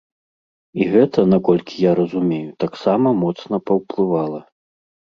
І гэта, наколькі я разумею, таксама моцна паўплывала.